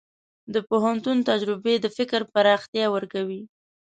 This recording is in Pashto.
د پوهنتون تجربې د فکر پراختیا ورکوي.